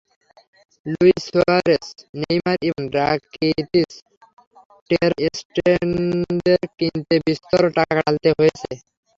Luis Suarez, Neymar, Ivan Rakitic, Ter স্টেগেনদের কিনতে বিস্তর টাকা ঢালতে হয়েছে।